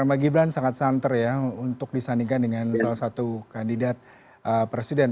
nama gibran sangat santer ya untuk disandingkan dengan salah satu kandidat presiden